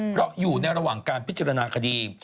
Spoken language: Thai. เพราะอยู่ในระหว่างการพิจารณาคดี